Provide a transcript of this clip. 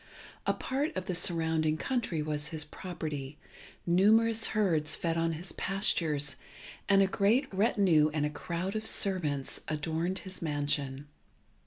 A part of the surrounding country was his property, numerous herds fed on his pastures, and a great retinue and a crowd of servants adorned his mansion.